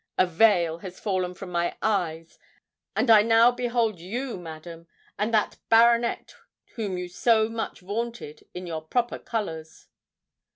A veil has fallen from my eyes—and I now behold you, madam, and that baronet whom you so much vaunted, in your proper colours."